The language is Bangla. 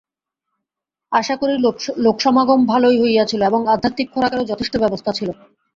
আশা করি, লোকসমাগম ভালই হইয়াছিল এবং আধ্যাত্মিক খোরাকেরও যথেষ্ট ব্যবস্থা ছিল।